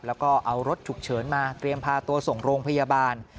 แล้วก็เอารถฉุกเฉินมาเตรียมพาตัวส่งโรงพยาบาล